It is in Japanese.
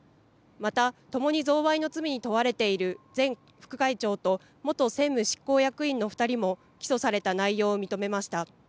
また、ともに贈賄の罪に問われている前副会長と元専務執行役員の２人も起訴された内容を認めました。